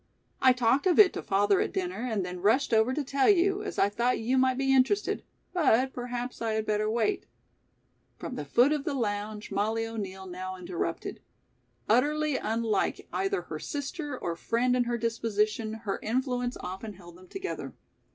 I talked of it to father at dinner and then rushed over to tell you, as I thought you might be interested, but perhaps I had better wait " From the foot of the lounge Mollie O'Neill now interrupted. Utterly unlike either her sister or friend in her disposition, her influence often held them together.